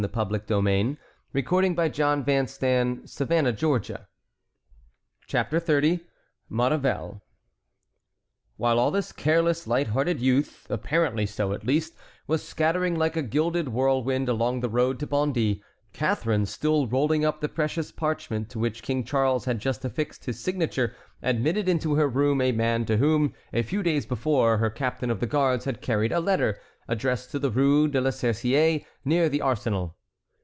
The outrider in charge of the hunt made a sign. They had reached the lair. CHAPTER XXX. MAUREVEL. While all this careless, light hearted youth, apparently so at least, was scattering like a gilded whirlwind along the road to Bondy, Catharine, still rolling up the precious parchment to which King Charles had just affixed his signature, admitted into her room a man to whom, a few days before, her captain of the guards had carried a letter, addressed to Rue de la Cerisaie, near the Arsenal.